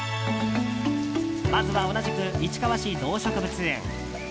まずは同じく市川市動植物園。